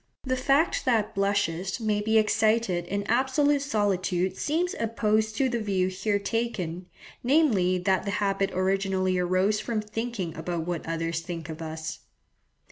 The fact that blushes may be excited in absolute solitude seems opposed to the view here taken, namely that the habit originally arose from thinking about what others think of us.